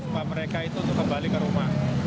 supaya mereka itu untuk kembali ke rumah